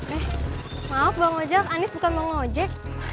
eh maaf bang ojak anis bukan bang ojek